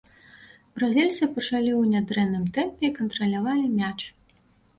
Бразільцы пачалі ў нядрэнным тэмпе і кантралявалі мяч.